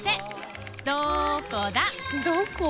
どこ？